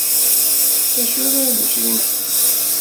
D acu ara nečč d imekli?